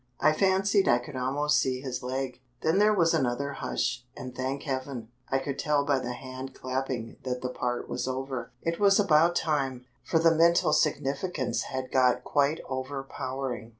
I fancied I could almost see his leg. Then there was another hush, and thank heaven, I could tell by the hand clapping that that part was over. It was about time, for the mental significance had got quite over powering.